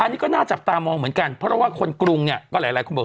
อันนี้ก็น่าจับตามองเหมือนกันเพราะว่าคนกรุงเนี่ยก็หลายคนบอก